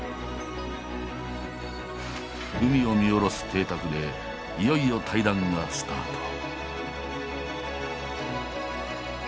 海を見下ろす邸宅でいよいよ対談がスタート。